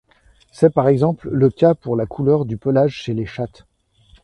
C'est par exemple le cas pour la couleur du pelage chez les chattes.